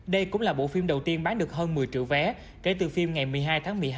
đây cũng là bộ phim đầu tiên bán được hơn một mươi triệu vé kể từ phim ngày một mươi hai tháng một mươi hai